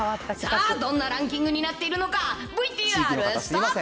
どんなランキングになっているのか、ＶＴＲスタート。